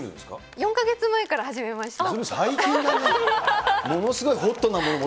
４か月前から始めました。